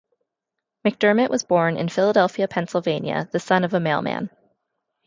McDermott was born in Philadelphia, Pennsylvania, the son of a mailman.